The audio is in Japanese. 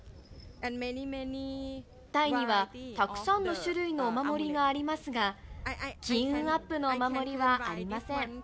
タイにはたくさんの種類のお守りがありますが、金運アップのお守りはありません。